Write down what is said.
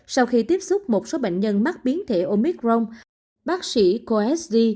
sau khi tiếp xúc một số bệnh nhân mắc biến thể omicron bác sĩ khoa s d